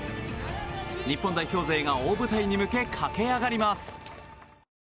日本代表勢が大舞台に向け駆け上がります。